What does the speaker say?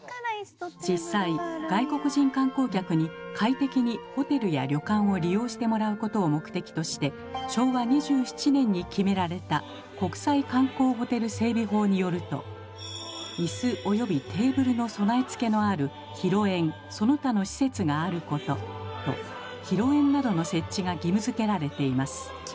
実際外国人観光客に快適にホテルや旅館を利用してもらうことを目的として昭和２７年に決められた「国際観光ホテル整備法」によると「いす及びテーブルの備付のある広縁その他の施設があること」と広縁などの設置が義務づけられています。